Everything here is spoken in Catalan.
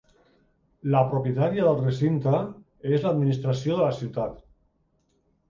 La propietària del recinte és l'administració de la ciutat.